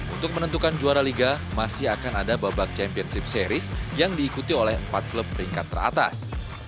untuk menentukan juara liga masih akan ada babak championship series yang diikuti oleh empat klub peringkat teratas